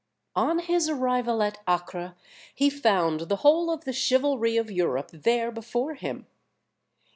] On his arrival at Acre he found the whole of the chivalry of Europe there before him.